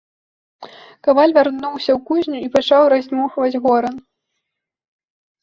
Каваль вярнуўся ў кузню і пачаў раздзьмухваць горан.